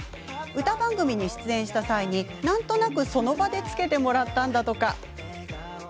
歌番組に出演した際になんとなく、その場で付けてもらったんだとか。